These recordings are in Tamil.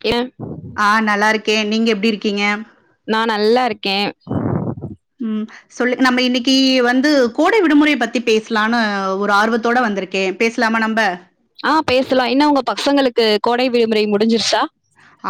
க ஆஹ் நல்லா இருக்கேன் நீங்க எப்டி இருக்கீங்க நான் நல்லா இருக்கேன் சொல்லு நம்ம இன்னைக்கு வந்து கோடை விடுமுறை பத்தி பேசலனு ஒரு ஆர்வத்தோட வந்திருக்கேன் பேசலாம நம்ம ஆஹ் பேசலாம் இன்ன உங்க பசங்களுக்கு கோடை விடுமுறை முடிஞ்சிருச்சா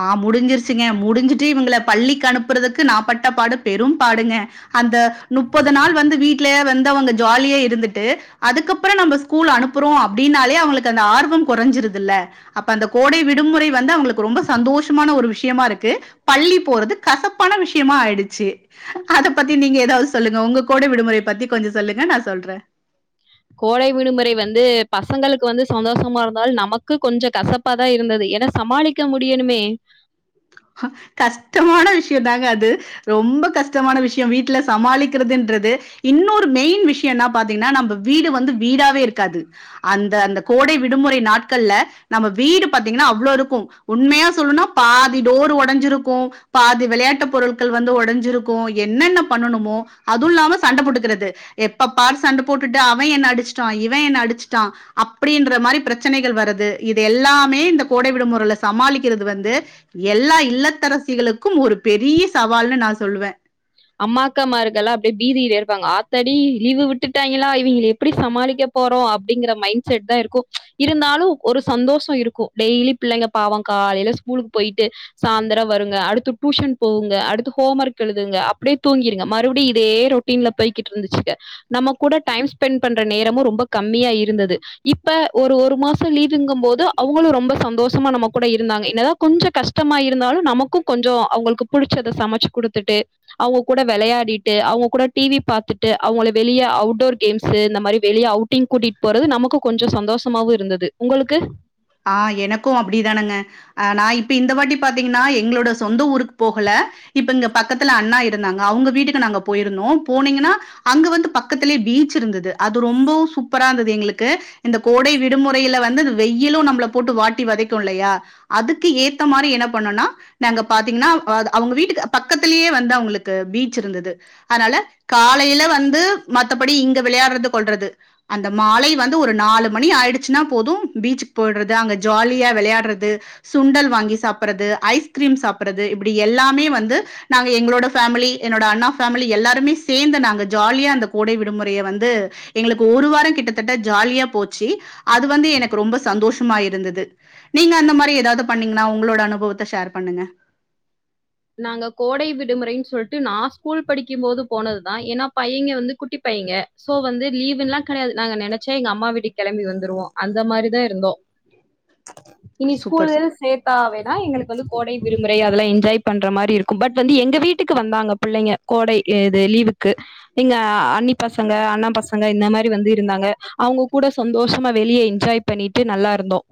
ஆஹ் முடிஞ்சிருச்சுங்க முடிஞ்சுட்டு இவங்களை பள்ளிக்கு அனுப்புறதுக்கு நான் பட்ட பாடு பெரும் பாடுங்க அந்த முப்பது நாள் வந்து வீட்ல வந் அவங்க ஜாலியா இருந்துட்டு அதுக்கப்புறம் நம் ஸ்கூல் அனுப்புறோம் அப்படனே அவங்களுக்கு அந்த ஆர்வம் குறைஞ்சறுதல அந்த கோடை விடுமுறை வந்து அவங்களுக்கு ரொம்ப சந்தோஷமான ஒரு விஷயமா இருக்கு பள்ளி போறது கசப்பான விஷயமா ஆயிடுச்சு அத பத்தி நீங்க ஏதாவது சொல்லுங்க உங்க கோடை விடுமுறை பத்தி கொஞ்சம் சொல்லுங்க நான் சொல்றேன் கோடை விடுமுறை வந்து பசங்களுக்கு வந்து சந்தோஷமா இருந்தலும் நமக்கு கொஞ்சம் கசப்பாதான் இருந்தது என்ன சமாளிக்க முடியணுமே கஷ்டமான விஷயம் தாங்க அது ரொம்ப கஷ்டமான விஷயம் வீட்ல சமாளிக்கிறதுன்றது இன்னொரு மெயின் விஷயம்னா பாத்தீங்கன்னா நம்ம வீடு வந்து வீடாவே இருக்காது அந்த அந்த கோடை விடுமுறை நாட்கள்ல நம்ம வீடு பாத்தீங்கன்னா அவ்வளோ இருக்கும் உண்மையா சொல்லனும்னா பா டோர் உடைஞ்சிருக்கும் பாதி விளையாட்டு பொருட்கள் வந்து உடைஞ்சிருக்கும் என்னென்ன பண்ணணுமோ அதுவும் இல்லாம சண்டை போட்டுக்கிறது எப்ப பார் சண்டை போட்டுட்டு அவன் என்ன அடிச்சுட்டான் இவன் என்ன அடிச்சுட்டான் அப்டின்ற மாரி பிரச்சனைகள் வருது இது எல்லாமே இந்த கோடை விடுமுறைளை சமாளிக்கிறது வந்து எல்லா இல்லத்தரசிகளுக்கும் ஒரு பெரிய சவால்னு நான் சொல்லுவேன் அம்மா அக்காமருக்கெல்லாம் அப்டியே பீதியில இருப்பாங்க ஆத்தடி லீவு விட்டுட்டாங்களா இவங்க எப்டி சமாளிக்க போறோம் அப்டிங்கிற மைண்ட் செட் தான் இருக்கும் இருந்தாலும் ஒரு சந்தோஷம் இருக்கும் டெய்லி பிள்ளைங்க பாவங்க காலையில ஸ்கூலுக்கு போயிட்டு சாயந்திரம் வருங்க அடுத்து டியூஷன் போகுங்க அடுத்து ஹோம் ஒர்க் எழுதுங்க அப் அப்டியே தூங்கிருங்க மறுபடியும் இதே ரொட்டீன்ல போய்கிட்டு இருந்துச்சுக்க நம்ம கூட டைம் ஸ்பெண்ட் பண்ற நேரமும் ரொம்ப கம்மியா இருந்தது இப்ப ஒரு ஒரு மாசம் லீவ்கும் போது அவங்களும் ரொம்ப சந்தோஷமா நம்ம கூட இருந்தாங்க என்னதான் கொஞ்சம் கஷ்டமா இருந்தாலும் நமக்கும் கொஞ்சம் அவங்களுக்கு புடிச்சத சமைச்சு குடுத்துகிட்டு அவங்க கூட விளையாடிட்டு அவங்க கூட டிவி பாத்துட்டு அவங்கள வெளிய அவுட்டோர் கேம்ஸ் இந்த மாதிரி வெளிய அவுட்டிங் கூட்டிட்டு போறது நமக்கு கொஞ்சம் சந்தோஷமாவும் இருந்தது உங்களுக்கு ஆஹ் எனக்கும் அப்டிதானங்க ஆஹ் நான் இப்ப இந்த வாட்டி பாத்தீங்கன்னா எங்களோட சொந்த ஊருக்கு போகல இப்ப இங்க பக்கத்துல அண்ணா இருந்தாங்க அவங்க வீட்டுக்கு நாங்க போயிருந்தோம் போனீங்கன்னா அங்க வந்து பக்கத்திலேயே பீச் இருந்தது அது ரொம்பவும் சூப்பரா இருந்தது எங்களுக்கு இந்த கோடை விடுமுறையில வந்து அது வெயிலும் நம்ம போட்டு வாட்டி வதைக்கும் இல்லையா அதுக்கு ஏத்த மாரி என்ன பண்ணுனம்னா நாங்க பாத்திங்கனா அ அவுங்க வீட்டு பக்கத்திலே அவங்களுக்கு பீச் இருந்தது அதனால காலையில வந்து மத்தபடி இங்க விளையாடுறது கொல்றது அந்த மாலை வந்து ஒரு நாலு மணி ஆயடுச்சுனா போதும் பீச் போயடுறது அங்க ஜாலியா விளையாடுறது சுண்டல் வாங்கி சாப்படுறது ஐஸ்கிரீம் சாப்படுறது இப்படி எல்லாமே வந்து நாங்க எங்களோட பேமிலி என்னோட அண்ணா பேமிலி எல்லாருமே சேர்ந்து நாங்க ஜாலியா அந்த கோடை விடுமுறைய வந்து எங்களுக்கு ஒரு வாரம் கிட்டத்தட்ட ஜாலியா போச்சு அது வந்து எனக்கு ரொம்ப சும்மா இருந்தது நீங்க அந்த மாரி ஏதாவ து பண்ணீங்கன்னா உங்களோட அனுபவத்தை ஷேர் பண்ணுங்க நாங்க கோடை விடுமுறைன்னு சொல்லிட்டு நான் ஸ்கூல் படிக்கும் போது போனதுதான் ஏன்னா பையங்க வந்து குட்டி பையங்க சோ வந்து லீவுல்லாம் கிடையாது நாங்க நினைச்சா எங்க அம்மா வீட்டுக்கு கிளம்பி வந்துருவோம் அந்த மாதிரிதான் இருந்தோம் இனி சூப்பர் சூப்பர் ஸ்கூல சேர்த்தாவே தான் எங்களுக்கு வந்து கோடை விடுமுறை அதெல்லாம் என்ஜாய் பண்ற மாரி இருக்கும் பட் வந்து எங்க வீட்டுக்கு வந்தாங்க பிள்ளைங்க கோடை இது லீவுக்கு நீங்க அண்ணி பசங்க அண்ணா பசங்க இந்த மாதிரி வந்து இருந்தாங்க அவுங்க கூட சந்தோஷமா வெளியே என்ஜாய் பண்ணிட்டு நல்லா இருந்தோம்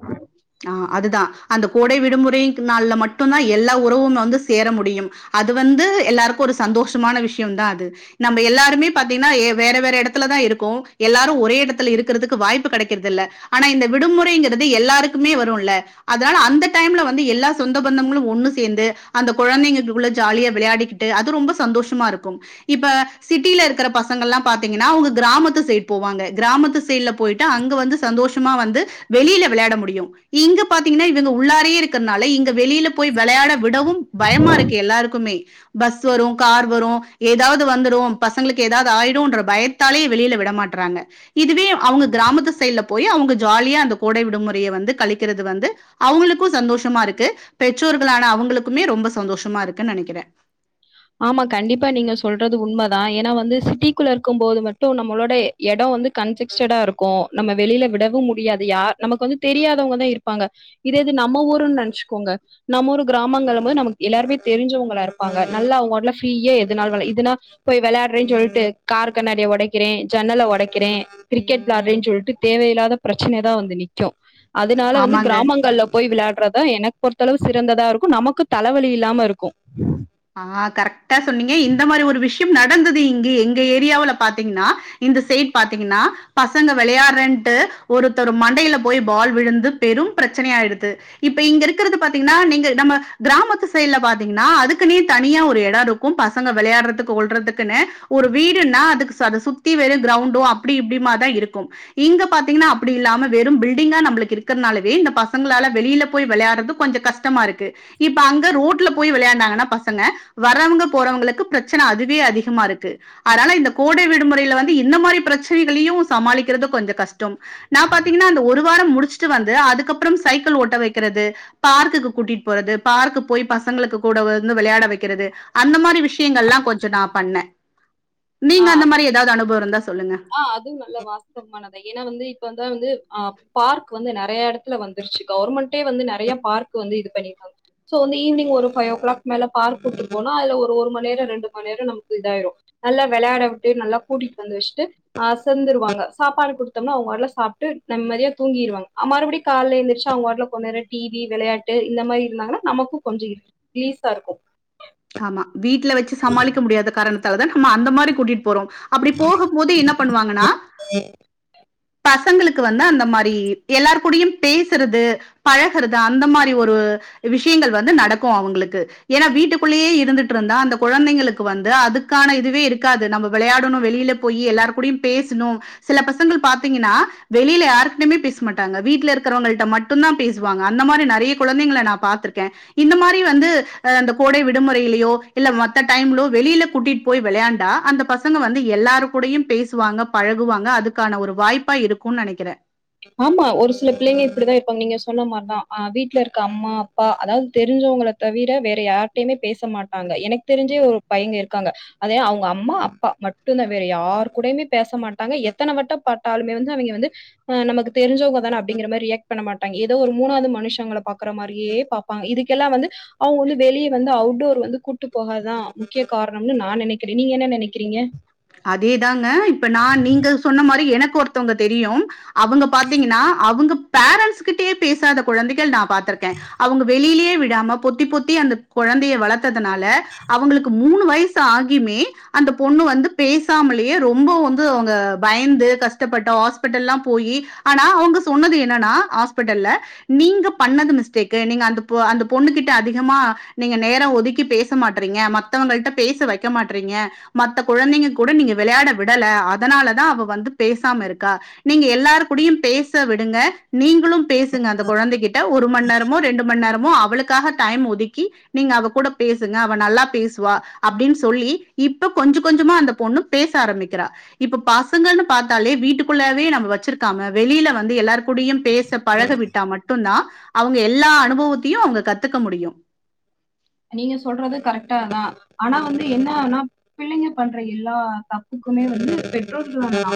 ஆஹ் அதுதான் அந்த கோடை விடுமுறை நாள்ல மட்டும் தான் எல்லா உறவுமே வந்து சேர முடியும் அது வந்து எல்லாருக்கும் ஒரு சந்தோஷமான விஷயம் தான் அது நம்ம எல்லாருமே பாத்தீங்கன்னா வேற வேற இடத்துலதான் இருக்கோ எல்லாரும் ஒரே இடத்துல இருக்கறதுக்கு வாய்ப்பு கிடைக்கறது இல்ல ஆனா இந்த விடுமுறைங்கிறது எல்லாரு க்குமே வரும் இல்ல அதனால அந்த டைம்ல வந்து எல்லா சொந்த பந்தங்களும் ஒன்னு சேர்ந்து அந்த குழந்தைங்களுக்குள்ள ஜாலியா விளையாடிக்கிட்டு அது ரொம்ப சந்தோஷமா இருக்கும் இப்ப சிட்டில இருக்கிற பசங்க எல்லா பார்த்தீங்கன்னா அவுங்க கிராமத்து சைடு போவாங்க கிராமத்து சைடுல போயிட்டு அங்க வந்து சந்தோஷமா வந்து வெளியில விளையாட முடியும் இங்க பாத்தீங்கனா இதுங்க உள்ளாரே இருக்கிறதுனால இங்க வெளியில போய் விளையாட விடவும் பயமா இருக்கு எல்லாருக்குமே பஸ் வரும் கார் வரும் ஏதாவது வந்துடும் பசங்களுக்கு ஏதாவது ஆயிடுன்ற பயத்தாலே வெளியில விடமாட்றாங்க இதுவே அவங்க கிராமத்து சைட்ல போய் அவங்க ஜாலியா அந்த கோடை விடுமுறைய வந்து கழிக்கிறது வந்து அவங்களுக்கும் சந்தோஷமா இருக்கு பெற்றோர்களான அவங்களுக்குமே ரொம்ப சந்தோஷமா இருக்கு நினைக்கிறேன் ஆமா கண்டிப்பா நீங்க சொல்றது உண்மைதான் ஏன்னா வந்து சிட்டிக்குள்ள இருக்கும் போது மட்டும் நம்மளோட இடம் வந்து கன்சஸ்டா இருக்கும் நம்ம வெளியில விடவும் முடியாது யார் நமக்கு வந்து தெரியாதவங்கதான் இருப்பாங்க இத இது நம்ம ஊருன்னு நினைச்சுக்கோங்க நம்ம ஒரு கிராமங்க போது நமக்கு எல்லாருமே தெரிஞ்சவங்கள இருப்பாங்க நல்லா அவங்க பாட்டுக்கு ஃப்ரீயா எதுனாளும் விள இதுன்னா போய் விளையாடுறேன்னு சொல்லிட்டு கார் கண்ணடிய உடைக்கிறேன் ஜன்னலை உடைக்கிறேன் கிரிக்கெட் விளையாடுறேன்னு சொல்லிட்டு தேவையில்லாத பிரச்சனைதான் வந்து நி்க்கும் அதனால வந்து ஆமாங்க கிராமங்கள்ல போய் விளையாடுறதான் எனக்கு பொறுத்தளவு சிறந்ததா இருக்கும் நமக்கு தலைவலி இல்லாம இருக்கும் ஆஹ் கரெக்டா சொன்னீங்க இந்த மாரி ஒரு விஷயம் நடந்தது இங்க எங்க ஏரியாவுல பாத்தீங்கன்னா இந்த சைடு பாத்தீங்கன்னா பசங்க விளையாடுறண்டு ஒருத்தர் மண்டையில போய் பால் விழுந்து பெரும் பிரச்சனையயிடுது இப்ப இங்க இருக்கிறது பாத்தீங்கன்னா நீங்க நம்ம கிராமத்து சைடுல பாத்தீங்கன்னா அதுக்கு அதுக்குன்னு தனியா ஒரு இடம் இருக்கும் பசங்க விளையாடுறதுக்கு கொல்றதுக்குன்னு ஒரு வீடுன்னா அதுக்கு அதைச் சுத்தி வெறும் கிரவுண்டோ அப்டி இப்டிமாதான் இருக்கும் இங்க பார்த்தீங்கன்னா அப்டி இல்லாம வெறும் பில்டிங்கா நம்மளுக்கு இருக்கிறதுனாலவே இந்த பசங்களால வெளியில போய் விளையாடுறது கொஞ்சம் கஷ்டமா இருக்கு இப்ப அங்க ரோட்ல போய் விளையாண்டாங்கன்னா பசங்க வரவுங்க போறவங்களுக்கு பிரச்சனை அதுவே அதிகமா இருக்கு அதனால இந்த கோடை விடுமுறை ல வந்து இந்த மாதிரி பிரச்சனைகளையும் சமாளிக்கிறது கொஞ்சம் கஷ்டம் நான் பாத்திங்களா அந்த ஒரு வாரம் முடிச்சட்டு வந்து அதுக்கப்புறம் சைக்கிள் ஓட்ட வைக்கிறது பார்க்கு கூட்டிட்டு போறது பார்க்போய் பசங்களுக்கு கூட வந்து விளையாட வைக்கிறது அந்த மாதிரி விஷயங்கள் எல்லா கொஞ்சோ நான் பண்ணேன் நீங்க அந்த மாரி ஏதாவது அனுபவம் இருந்தா சொல்லுங்க ஆஹ் அதுவும் நல்ல வாஸ்தவமானதான் ஏன்னா வந்து இப்ப அத வந்து ஆஹ் பார்க் வந்து நறைய இடத்துல வந்துருச்சு கவர்மெண்ட வந்து நறைய பார்க் வந்து இது பண்ணிருாங்க சோ வந்து ஈவினிங ஒரு பபைவ் ஓ கிளாக் மேல பார்க் விட்டு போனா அதுல ஒரு மணி நேரம் ரெண்டு மணி நேரம் நமக்கு இதாயிரும் நல்லா விளையாட விட்டு நல்லா கூட்டிட்டு வந்து வச்சுட்டு அசந்துருவாங்க சாப்பாடு குடுத்தோம்னா அவுங்க வாட்டுல சாப்ட்டு நிம்மதியா தூங்கிடுவாங்க மறுபடி கால்ல எந்திரச்சு அவுங்க வாட்டுல கொஞ்ச நேரம் டிவி வெளையாட்டு இந்த மாரி இருந்தாங்கன்னா நமக்கும் கொஞ்சம் ரிலீஸா இருக்கும் ஆமா வீட்ல வச்சு சமாளிக்க முடியாத காரணத்தை நம்ம அந்த மாரி கூட்டிட்டு போறோம் அப்டி போகும்போது என்ன பண்ணுவாங்கன்னா பசங்களுக்கு வந்து அந்த மாரி எல்லார் கூடயும் பேசுறது பழகுறது அந்த மாரி ஒரு விஷயங்கள் வந்து நடக்கும் அவுங்களுக்கு ஏன்னா வீட்டுக்கு குள்ளயே இருந்துட்டுருந்தா அந்த குழந்தைங்களுக்கு வந்து அதுக்கன இதுவே இருக்காது நம்ம வெளையாடணும் வெளியில போய் எல்லார் கூடயும் பேசணும் சில பசங்கள் பாத்தீங்கன்னா வெளியில யாருட்டுமே பேச மாட்டாங்க வீட்டுல இருக்கிறவங்கள்ட மட்டும்தான் பேசுவாங்க அந்த மாரி நறைய குழந்தைங்களை நான் பா்த்திருக்கேன் இந்த மாதிரி வந்து கோடை விடுமுறையிலயோ இல்ல மத்த டைம்லோ வெளியில கூட்டிட்டு போய் விளையாண்டா அந்த பசங்க வந்து எல்லாரு கூடையும் பேசுவாங்க பழகுவாங்க அதுக்கான ஒரு வாய்ப்பா இருக்கும் நெனைக்கிறேன் ஆமா ஒரு சில பிள்ளைங்க இப்படிதான் இப்ப நீங்க சொன்ன மாதிரிதான் ஆஹ் வீட்டுல இருக்க அம்மா அப்பா அதாவது தெரிஞ்சவங்கள தவிர வேற யார்டையுமே பேச மாட்டாங்க எனக்கு தெரிஞ்சு ஒரு பயங்க இருக் க்காங்க அது அவுங்க அம்மா அப்பா மட்டும்தான் வேற யாரு கூடயுமே பேச மாட்டாங்க எத்தனை வட்ட பட்டாலுமே வந்து அவங்க வந்து ஆஹ் நமக்கு தெரிஞ்சவுங்க தானே அப்படிங்கிற மாதிரி ரியாக்ட் பண்ண மாட்டாங்க ஏதோ ஒரு மூணாவது மனுஷங்களை பாக்குற மாதிரியே பாப்பாங்க இதுக்கல்லாம் வந்து அவ வந்து வெளியே வந்து அவுட்டோர் வந்து கூட்டு போகாதான் முக்கிய காரணம்னு நான் நெனைக்கிறேன் நீங்க என்ன நெனைக்கிறீங்க அதே தாங்க இப்ப நான் நீங்க சொன்ன மாரி எனக் ஒருத்தவுங்க தெரியும் அவுங்க பாத்தீங்கன்னா அவுங்கப் பேரன்ண்ட்ஸ் கிட்டயே பேசாத குழந்தைகள் நான் பாத்திருக்கேன் அவுங்க வெளியிலேயே விடாம பொத்தி பொத்தி அந்தக் வதனால அவுங்களுக்கு மூணு வயசு ஆகியுமே அந்த பொண்ணு வந்து பேசாமலேயே ரொம்ப வந்து அவுங்க பயந்து கஷ்டப்பட்டு ஹாஸ்பிட்டல்லாம் போயி ஆனா அவுங்க சொன்னது என்னனா ஹாஸ்பிட்டல்ல நீங்க பண்ணது மிஸ்டேக்கு நீங்க அந்த அந்த பொண்ணு கிட்ட அதிகமா நீங்க நேரம் ஒதுக்கி பேச மாட்டறீங்க மத்தவங்கள்ட பேச வைக்க மாட்றீங்க மத்த குழந்தைங்க கூட நீங்க விளையாட விடலை அதனாலதான் அவ வந்து பேசாம இருக்கா நீங்க எல்லாரு கூடியும் பேச விடுங்க நீங்களும் பேசுங்க அந்த குழந்தைகிட்ட ஒரு மண் நேரமோ ரெண்டு மண் நேரமோ அவளுக்காக தயம் ஒதுக்கி நீங்க அவ கூட பேசுங்க அவ நல்லா பேசுவா அப்டின் சொல்லி இப்ப கொஞ்சம் கொஞ்சமா அந்த பொண்ணு பேச ஆரம்பிக்கிறா இப்ப பசங்கனு பாத்தாலே வீட்டுக்குள்ளே நம்ம வச்சிருக்காம வெளியில வந்து எல்லாரு கூடியும் பேச பழக விட்டா மட்டும் தான் அவ வங்க எல்லா அனுபவத்தையும் அவுங்க கத்துக்க முடியும் நீங்க சொல்றது கரெக்டா தான் ஆனா வந்து என்ன ஆன்னா பிள்ளைங்க பண்ற எல்லா தப்புக்குமே வந்து பெற்றோர்கள்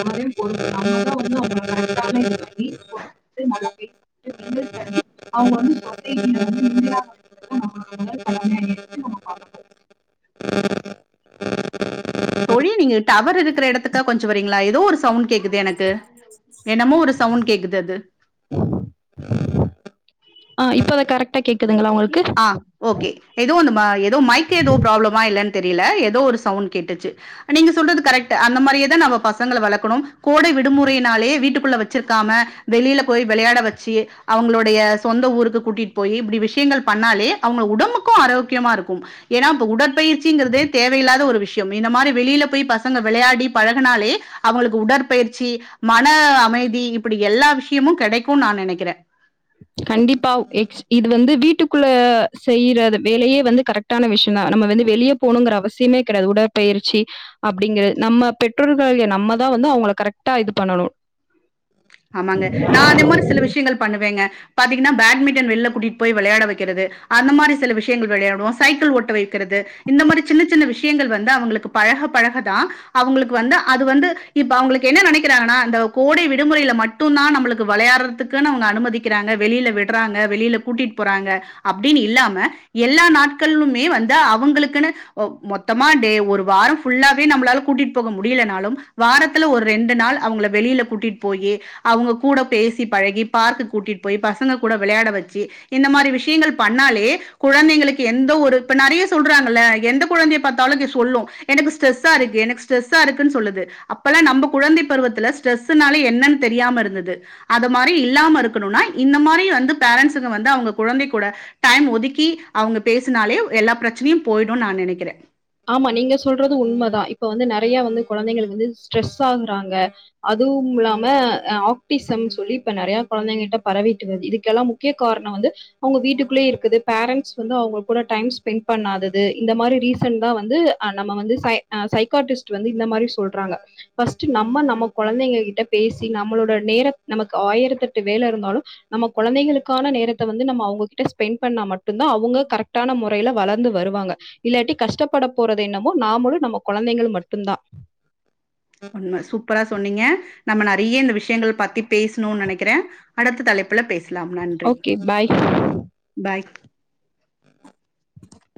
[unintelligible] [unintelligible] [unintelligible] [unintelligible] தோழி நீங்க டவர் இருக்கிற இடத்துக் கொஞ்சம் வரீங்களா ஏதோ ஒரு சவுண்ட் கேக்குது எனக்கு என்னமோ ஒரு சவுண்ட் கேக்குதுஅது கரக்டா கேக்கிது ஆ ஓகே எதோ ஒன்னு எதோ மைக் எதோ ப்ராப்ளமா இல்லன் தெரியல எதோ ஒரு சவுண்ட் கேட்டுச்சு நீங்க சொல்றது கரெக்ட் அந்த மாதிரி தான் நம்ம பசங்கள வளக்கணும் கோடை விடுமுறை நாளே வீட்டுக்குள்ள வச்சிருக்காம வெளியில போய் விளையாட வச்சு அவங்களுடைய சொந்த ஊருக்கு கூட்டிட்டு போய் இப்டி விஷயங்கள் பண்ணாலே அவங்க உடம்புக்கும் ஆரோக்கியமா இருக்கும் ஏன்னா இப்ப உடற்பயிற்சிங்கிறதே தேவையில்லாத ஒரு விஷயம் இந்த மாதிரி வெளியில போய் பசங்க விளையாடி பழகுனாலே அவங்களுக்கு உடற்பயிற்சி மன அமைதி இப்டி எல்லா விஷயமும் கிடைக்கும்னு நான் நினைக்கிறேன் கண்டிப்பா எக்ஸ் இது வந்து வீட்டுக்குள்ள செய்யற வேலையே வந்து கரெக்டான விஷயம் தா நம்ம வந்து வெளிய போகணுங்கிற அவசியமே கிடையாது உடற்பயிற்சி அப்டிங்கீறது நம்ம பெற்றோர்களாகிய நம்மதா வந்து அவங்க கரெக்டா இது பண்ணணும் ஆமாங்க நா அந்த மாரி சில விஷயங்கள் பண்ணுவேங்க பாத்தீங்கன்னா பேட்மிண்டன் வெளில கூட்டிட்டு போய் விளையாட வைக்கிறது அந்த மாரி சில விஷயங்கள் விளையாடுவோம் சைக்கிள் ஓட்ட வைக்கிறது இந்த மாரி சின்ன சின்ன விஷயங்கள் வந்து அவங்களுக்கு பழக பழகதா அவங்களுக்கு வந்து அது வந்து இப்ப அவங்களுக்கு என்னா நினைக்கிறாங்கன்னா அந்த கோடை விடுமுறையில மட்டும்தா நம்மளுக்கு விளையாடறதுக்குனு அனுமதிக்கிறாங்க வெளில விட்றாங்க வெளில கூட்டிட்டு போறாங்க அப்டின்னு இல்லாம எல்லா நாட்களுமே வந்து அவங்களுக்குனு மொத்தமா டே ஒரு வாரம் ஃபுல்லாவே நம்மளால கூட்டிட்டு போக முடியலனாலும் வாரத்துல ஒரு ரெண்டு நாள் அவங்க வெளியில கூட்டிட்டு போய்யி அவங்க கூட பேசி பழகி பார்க்கு கூட்டிட்டு போய் பசங்க கூட விளையாட வச்சு இந்த மாதிரி விஷயங்கள் பண்ணாலே குழந்தைங்களுக்கு எந்த ஒரு இப்ப நெறைய சொல்றாங்கல்ல எந்த கொழந்தைய பாத்தாலும் இங்க சொல்லும் எனக்கு ஸ்ட்ரெஸ்சா இருக்கு எனக்கு ஸ்ட்ரெஸ்சா இருக்குன்னு சொல்லது அப்ப எல்லா நம்ம குழந்தை பருவத்துல ஸ்டரெஸ்சுனால என்னன்னு தெரியாம இருந்தது அது மாரி இல்லாம இருக்கணும்னா இந்த மாரி வந்து பேரன்ட்ஸ்சுங்க வந்து அவுங்க குழந்தை கூட டைம் ஒதுக்கி அவுங்க பேசினாலே எல்லா பிரச்சனையும் போயிடும் நா நினக்கிறேன் ஆமா நீங்க சொல்றது உண்மைதா இப்ப வந்து நெறைய வந்து குழந்தைகளுக்கு வந்து ஸ்ட்ரெஸ்சு ஆகுறாங்க அதுவும் இல்லாம ஆக்டிசம்னு சொல்லி இப்ப நெறையா குழந்தைங்கிட்ட பரவிட்டு வருது இதுக்கெல்லாம் முக்கிய காரணம் வந்து அவுங்க வீட்டுக்குள்ளயே இருக்குது பேரன்ட்ஸ் வந்து அவுங்க கூட டைம் ஸ்பென்ட் பண்ணாதது இந்த மாரி ரீஸ் ரீசண்டா வந்து நம்ம வந்து சைக்கார்டிஸ்ட்டு இந்த மாதரி சொல்றங்க ஃபர்ஸ்ட் நம்ம நம்ம குழந்தைங்கிட்ட பேசி நம்மளோட நேரத்த நமக்கு ஆயிரத்துஎட்டு வேல இருந்தாலும் நம்ம குழந்தைக்கான நேரத்த அவுங்ககிட்ட ஸ்பென்ட் பண்ண மட்டு்ம் தா அவங்க கரெக்டான முறையில வளர்ந்து வருவாங்க இல்லாட்டி கஷ்டப்பட போறது என்னமோ நாமளும் நம்ம குழந்தைங்கள் மட்டும்தா உண்மை சூப்பரா சொன்னீங்க நம்ம நெறைய இந்த விஷயங்கள் பத்தி பேசணும் நினக்கிறேன் அடுத்த தலைப்புல பேச ஓகே பாய் ஆஹ [inaudible]